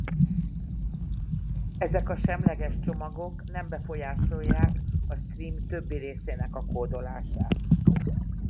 Ezek a semleges csomagok nem befolyásolják a stream többi részének a kódolását.